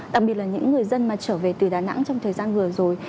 đặc biệt là những người dân mà trở về từ đà nẵng trong thời gian vừa rồi